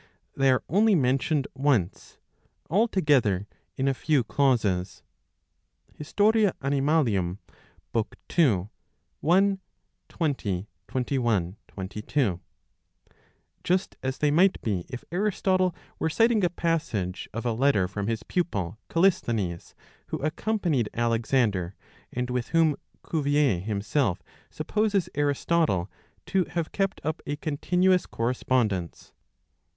They are only mentioned once, all together, in a few clauses (H. A. ii. i, 20, 21, 22); just as they might be if Aristotle were citing a passage of a letter from his pupil Callisthenes, who accompanied Alexander, and with whom Cuvier him self supposes Aristotle to have kept up a continuous correspondence.